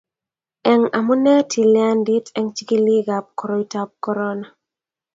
Eng amune tilyandit eng chigilikab koroitab korona